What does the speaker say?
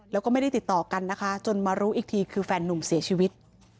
แล้วก็ไม่ได้ติดต่อกันนะคะจนมารู้อีกทีคือแฟนนุ่มเสียชีวิต